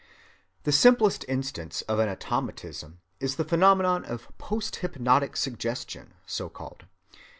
The simplest instance of an automatism is the phenomenon of post‐hypnotic suggestion, so‐called.